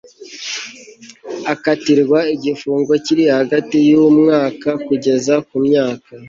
akatirwa igifungo kiri hagati y'umwaka kugeza ku myaka